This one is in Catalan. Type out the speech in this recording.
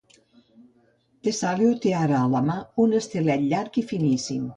Tesalio té ara a la mà un estilet llarg i finíssim.